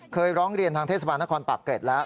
ร้องเรียนทางเทศบาลนครปากเกร็ดแล้ว